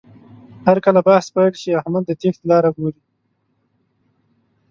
هرکله بحث پیل شي، احمد د تېښتې لاره ګوري.